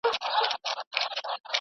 تاسي ولي د ځان ساتني اصول نه مراعتوئ؟